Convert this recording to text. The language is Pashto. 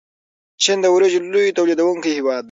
چین د وریجو لوی تولیدونکی هیواد دی.